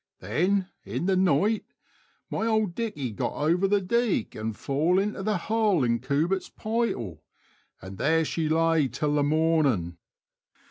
Then, in the night, my ould dickey^ got over th' deek,t and fall inter the hollj in Cubitt^s pightle,§ and thair she lay till th' mornin'."